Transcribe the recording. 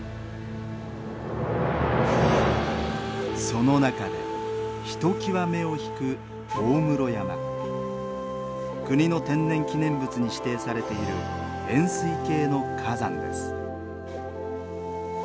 その中でひときわ目を引く国の天然記念物に指定されている円すい形の火山です。